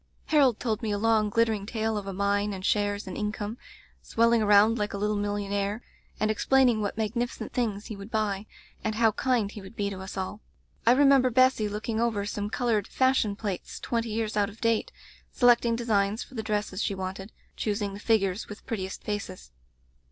"Harold told me a long, glittering tale of a mine and shares and income, swelling around like a little millionaire, and explain ing what magnificent things he would buy, and how kind he would be to us all. I remember Bessy looking over some colored fashion plates twenty years out of date, selecting designs for the dresses she wanted ; choosing the figures with prettiest faces.